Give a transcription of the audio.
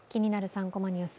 ３コマニュース」